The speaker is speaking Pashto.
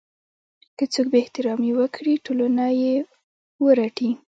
که څوک بې احترامي وکړي ټولنه یې ورټي.